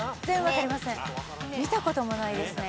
見たこともないですね。